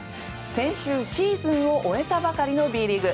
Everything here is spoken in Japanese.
先週、シーズンを終えたばかりのＢリーグ。